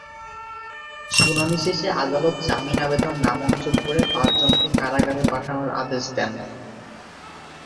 শুনানি শেষে আদালত জামিন আবেদন নামঞ্জুর করে পাঁচজনকে কারাগারে পাঠানোর আদেশ দেন।